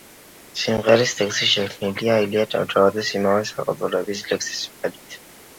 სიმღერის ტექსტი შექმნილია ილია ჭავჭავაძის ამავე სახელწოდების ლექსის მიხედვით.